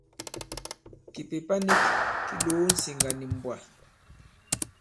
Kìpèpa nik ki lòo ǹsiŋgà nì mbwà.